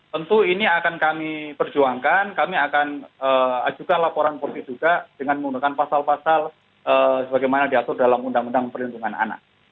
tentu ini akan kami perjuangkan kami akan ajukan laporan polisi juga dengan menggunakan pasal pasal sebagaimana diatur dalam undang undang perlindungan anak